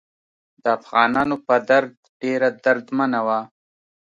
د افغانانو په درد ډیره دردمنه وه.